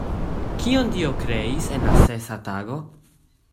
Kion Dio kreis en la sesa tago?